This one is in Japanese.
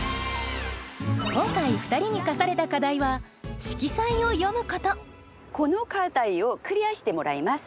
今回２人に課された課題は「色彩を詠む」ことこの課題をクリアしてもらいます。